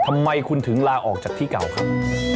ทำไมคุณถึงลาออกจากที่เก่าครับ